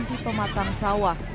di pemakang sawah